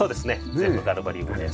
全部ガルバリウムです。